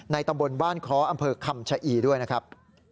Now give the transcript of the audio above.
ตำบลบ้านค้ออำเภอคำชะอีด้วยนะครับ